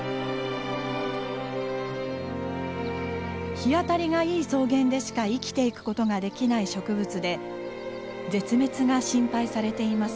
日当たりがいい草原でしか生きていくことができない植物で絶滅が心配されています。